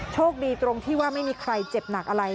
โชคดีตรงที่ว่าไม่มีใครเจ็บหนักอะไร